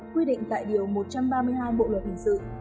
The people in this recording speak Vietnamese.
quy định tại điều một trăm ba mươi hai bộ luật hình sự